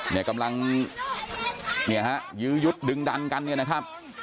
เนี่ยกำลังเนี่ยฮะยื้อยุดดึงดันกันเนี่ยนะครับ